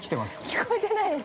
◆聞こえてないです。